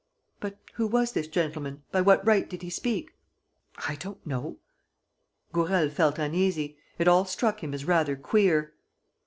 '" "But who was this gentleman? By what right did he speak?" "I don't know." Gourel felt uneasy. It all struck him as rather queer.